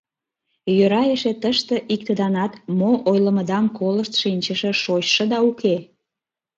— Йӧра эше тыште иктыданат мо ойлымыдам колышт шинчыше шочшыда уке.